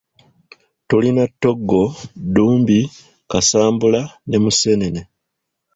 Tulina Ttoggo, Ddumbi, Kasambula ne Museenene.